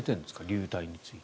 流体について。